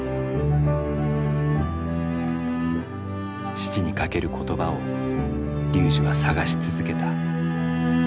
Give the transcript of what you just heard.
父にかける言葉をＲＹＵＪＩは探し続けた。